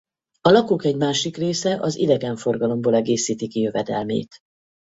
A lakók egy másik része az idegenforgalomból egészíti ki jövedelmét.